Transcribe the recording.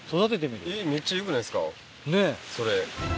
めっちゃよくないですかそれ。